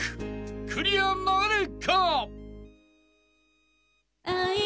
クリアなるか？］